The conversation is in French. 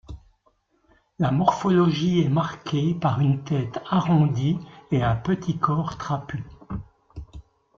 La morphologie est marquée par une tête arrondie et un petit corps trapu.